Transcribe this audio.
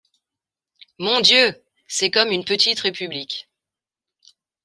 Mon Dieu! c’est comme une petite république.